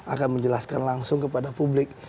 akan menjelaskan langsung kepada publik